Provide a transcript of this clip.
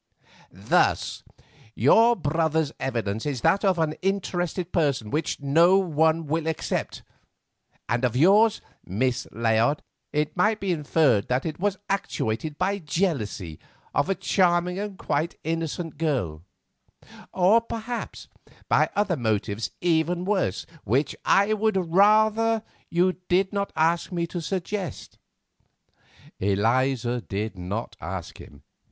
"Thus: Your brother's evidence is that of an interested person which no one will accept; and of yours, Miss Layard, it might be inferred that it was actuated by jealousy of a charming and quite innocent girl; or, perhaps, by other motives even worse, which I would rather you did not ask me to suggest." Eliza did not ask him.